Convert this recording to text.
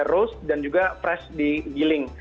roast dan juga fresh digiling